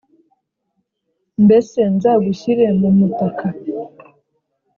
Mbese nzagushyire mu mutaka